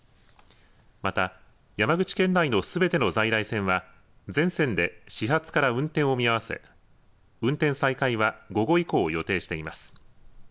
また、山口県内のすべての在来線は全線で始発から運転を見合わせ、運転再開は午後以降を予定しています。